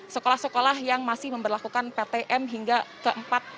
sekolah sekolah yang masih memperlakukan ptm hingga keempat